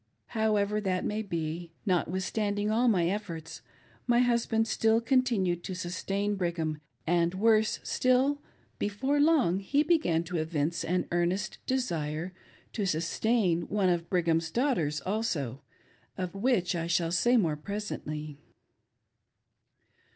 However that may be, notwithstanding all my efforts, my husband still continued to sustain Brigham, and worse still, before long he began to evince an earnest desire to sustain one of Brigham's daughters also — of which I shall say more presently.